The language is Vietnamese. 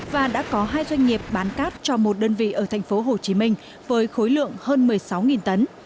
và đã có hai doanh nghiệp bán cát cho một đơn vị ở thành phố hồ chí minh với khối lượng hơn một mươi sáu tấn